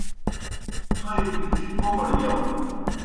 تھوئے پِڇِی کوْمَڑ گِیاؤن۔